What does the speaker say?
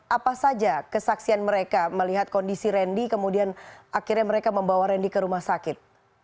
apa saja kesaksian mereka melihat kondisi randy kemudian akhirnya mereka membawa randy ke rumah sakit